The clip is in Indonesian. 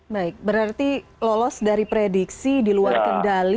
baik berarti lolos dari prediksi di luar kendali